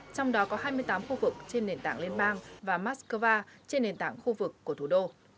trong đó có hai mươi tám khu vực trên nền tảng liên bang và moscow trên nền tảng khu vực của thủ đô